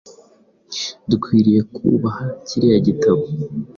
Dukwiriye kubaha kiriya gitabo,